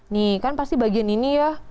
nih kan pasti bagian ini ya